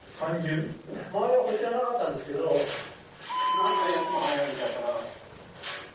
前はこっちはなかったんですけど、何回やっても入られちゃうから。